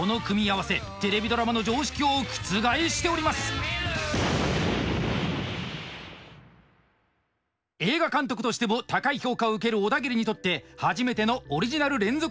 この組み合わせ映画監督としても高い評価を受けるオダギリにとって初めてのオリジナル連続ドラマの演出。